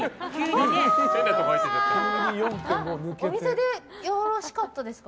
お店でよろしかったですか？